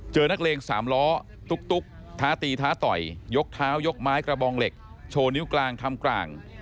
นักเลงสามล้อตุ๊กท้าตีท้าต่อยยกเท้ายกไม้กระบองเหล็กโชว์นิ้วกลางทำกลาง